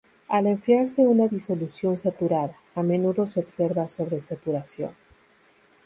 Al enfriarse una disolución saturada, a menudo se observa sobresaturación.